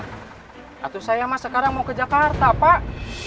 tentu saya mah sekarang mau ke jakarta pak